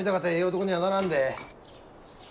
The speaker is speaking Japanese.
男にはならんで。